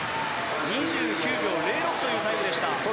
２９秒０６というタイムでした。